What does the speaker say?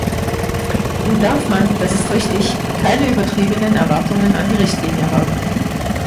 Nun darf man, das ist richtig, keine übertriebenen Erwartungen an die Richtlinie haben.